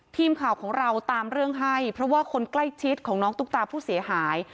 ทีมข่าวของเราตามเรื่องให้เพราะว่าคนใกล้ชิดของน้องตุ๊กตาผู้เสียหาย